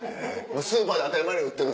スーパーで当たり前に売ってる？